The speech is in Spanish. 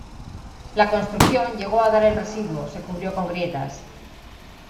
La construcción llegó a dar el residuo, se cubrió con grietas.